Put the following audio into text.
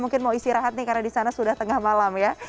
mungkin mau istirahat nih karena di sana sudah tengah malam ya